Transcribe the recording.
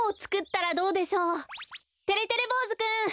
てれてれぼうずくん！